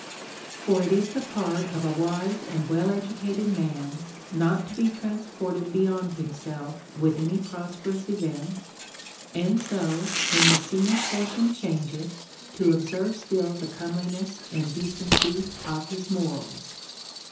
For it is the part of a wise and well educated man, not to be transported beyond himself with any prosperous events, and so, when the scene of fortune changeth, to observe still the comeliness and decency of his morals.